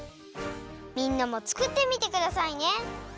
みんなもつくってみてくださいね。